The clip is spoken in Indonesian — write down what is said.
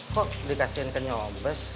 kok dikasihin ke nyobes